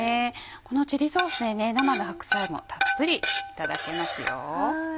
このチリソースで生の白菜もたっぷりいただけますよ。